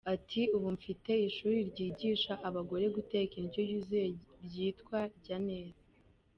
Ati “Ubu mfite ishuri ryigisha abagore guteka indyo yuzuye ryitwa ‘Rya neza’.